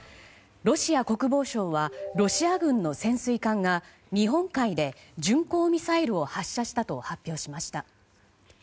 ロシア国防省はロシア軍の潜水艦が日本海で巡航ミサイルを発射したと発表しました。